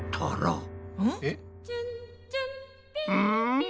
うん？